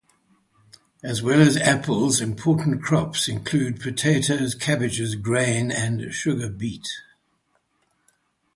As well as apples important crops include potatoes, cabbages, grain and sugar beet.